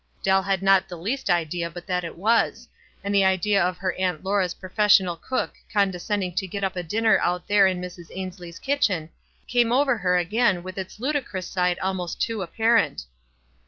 Dell had not the least idea but that it was ; and the idea of her Aunt Laura's professional cook condescending to get up a dinner out there in Mrs. Ainslie's kitchen came over her again with its ludicrous side almost too appar ent.